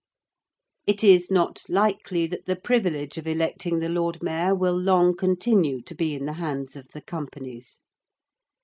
It is not likely that the privilege of electing the Lord Mayor will long continue to be in the hands of the Companies.